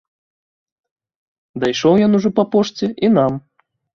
Дайшоў ён ужо па пошце і нам.